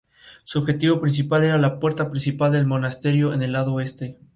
Su objetivo principal era la puerta principal del monasterio, en el lado oeste.